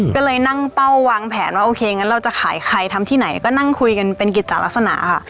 ก็เลยนั่งเป้าวางแผนว่าโอเคงั้นเราจะขายใครทำที่ไหนก็นั่งคุยกันเป็นกิจจากลักษณะค่ะ